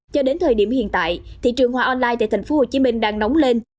cho đến thời điểm hiện tại thị trường hoa online tại tp hcm đang nóng lên